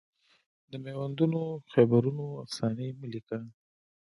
د میوندونو خیبرونو افسانې مه لیکه